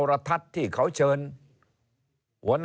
เริ่มตั้งแต่หาเสียงสมัครลง